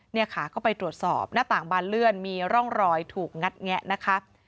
เนี่ยค่ะก็ไปตรวจสอบหน้าต่างบานเลื่อนมีร่องรอยถูกงัดแงะนะคะ